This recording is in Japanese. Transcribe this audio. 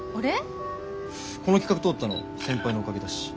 この企画通ったの先輩のおかげだし。